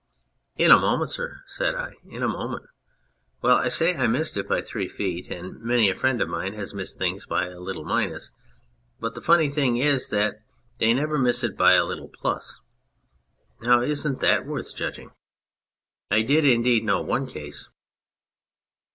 " In a moment, sir," said I, " in a moment. ... Well, I say I missed it by three feet, and many a friend of mine has missed things by a little minus, but the funny thing is that they never miss it by a little plus. Now, isn't that worth judging? I did indeed know one case